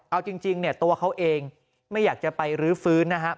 เอาจริงเนี่ยตัวเขาเองไม่อยากจะไปรื้อฟื้นนะครับ